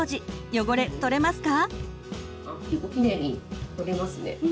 汚れ取れますか？